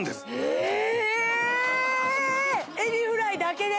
ええっエビフライだけで？